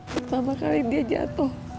pertama kali dia jatuh